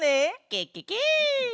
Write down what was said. ケケケ！